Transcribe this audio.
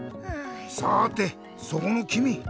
さてそこのきみ！